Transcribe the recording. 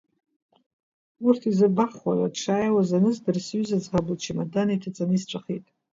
Урҭ изырбахуада, дшааиуаз аныздыр, сҩыза ӡӷаб лчамадан иҭаҵаны исҵәахит…